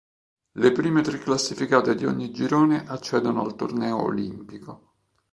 Le prime tre classificate di ogni girone accedono al Torneo Olimpico.